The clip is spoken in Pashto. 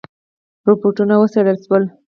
رپوټونه وڅېړل شول.